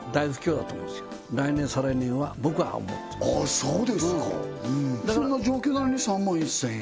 そうですかそんな状況なのに３万１０００円？